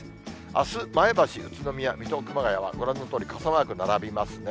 あす、前橋、宇都宮、水戸、熊谷は、ご覧のとおり傘マーク並びますね。